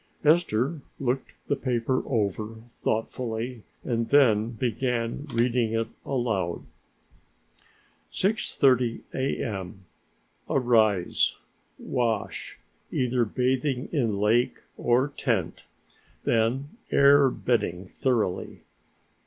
Esther looked the paper over thoughtfully, and then began reading it aloud. 6:30 A.M. Arise, wash, either bathing in lake or tent, then air bedding thoroughly.